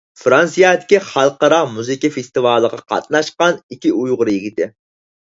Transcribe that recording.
فىرانسىيەدىكى خەلقئارا مۇزىكا فېستىۋالىغا قاتناشقان ئىككى ئۇيغۇر يىگىتى.